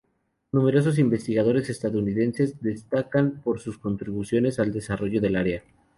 Numerosos investigadores estadounidenses destacan por sus contribuciones al desarrollo del área.